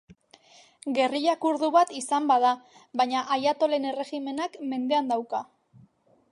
Gerrila kurdu bat izan bada baina ayatolen erregimenak mendean dauka.